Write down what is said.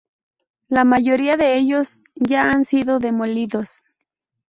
La mayoría de ellos ya han sido demolidos.